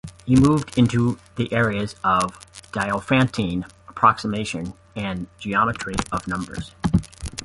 He moved into the areas of diophantine approximation and geometry of numbers.